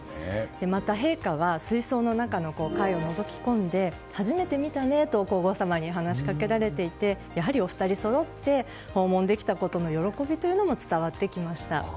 また、陛下は水槽の中の貝をのぞき込んで初めて見たねと、皇后さまに話しかけられていてお二人そろって訪問できたことの喜びが伝わってきました。